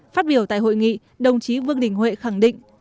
phát biểu tại hội nghị đồng chí vương đình huệ khẳng định